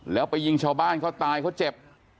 แล้วไปยิงชาวบ้านเขาตายเขาเจ็บ